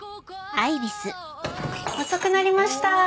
遅くなりました。